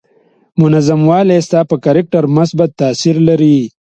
منظم والی ستا پر کرکټر مثبت تاثير لري.